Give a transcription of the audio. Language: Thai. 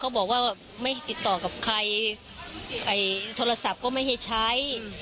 บอกว่าไม่ติดต่อกับใครโทรศัพท์ก็ไม่ให้ใช้